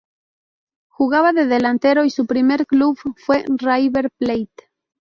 Jugaba de delantero y su primer club fue River Plate.